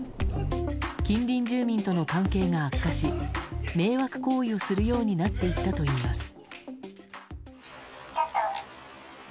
近隣住民との関係が悪化し迷惑行為をするようになっていったといいます。